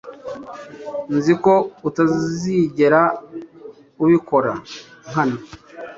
nzi ko utazigera ubikora nkana